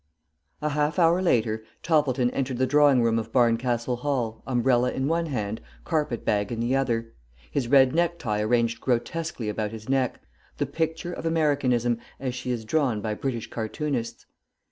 A HALF HOUR later Toppleton entered the drawing room of Barncastle Hall, umbrella in one hand, carpet bag in the other; his red necktie arranged grotesquely about his neck, the picture of Americanism "as she is drawn" by British cartoonists.